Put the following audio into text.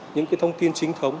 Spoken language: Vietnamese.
những thông tin chính thống